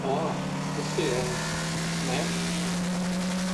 Oh, você é, né?